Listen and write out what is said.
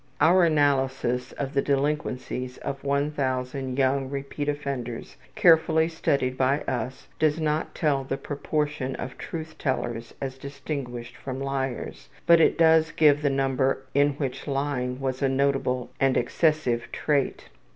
Our analysis of the delinquencies of 1000 young repeated offenders carefully studied by us does not tell the proportion of truth tellers as distinguished from liars, but it does give the number in which lying was a notable and excessive trait.